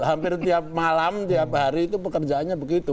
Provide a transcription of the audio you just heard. hampir tiap malam tiap hari itu pekerjaannya begitu